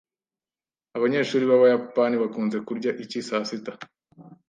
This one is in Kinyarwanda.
Abanyeshuri b'Abayapani bakunze kurya iki saa sita?